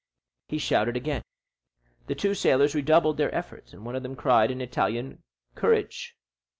He shouted again. The two sailors redoubled their efforts, and one of them cried in Italian, "Courage!"